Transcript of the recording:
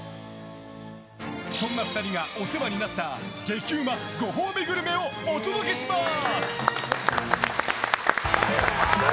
そんな２人がお世話になった激うまご褒美グルメをお届けします。